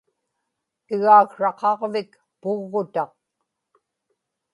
igaaksraqaġvik puggutaq